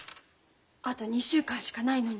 あと２週間しかないのに。